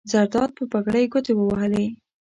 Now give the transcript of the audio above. زرداد په پګړۍ ګوتې ووهلې.